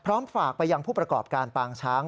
ฝากไปยังผู้ประกอบการปางช้าง